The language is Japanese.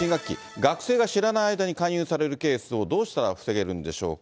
学生が知らない間に勧誘されるケースをどうしたら防げるんでしょうか。